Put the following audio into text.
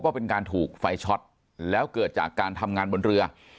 ว่าเป็นการถูกไฟช็อตแล้วเกิดจากการทำงานบนเรือ